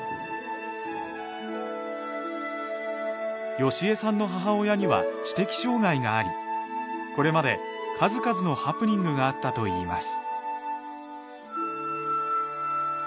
好江さんの母親には知的障がいがありこれまで数々のハプニングがあったといいます。